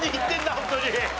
ホントに。